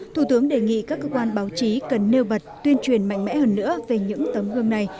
thủ tướng đề nghị các cơ quan báo chí cần nêu bật tuyên truyền mạnh mẽ hơn nữa về những tấm gương này